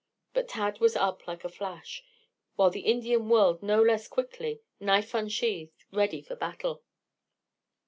But Tad was up like a flash, while the Indian whirled no less quickly, knife unsheathed, ready for battle.